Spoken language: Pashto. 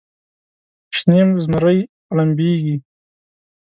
شنې زمرۍ غړمبیږې